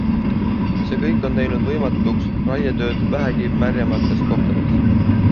See kõik on teinud võimatuks raietööd vähegi märjemates kohtades.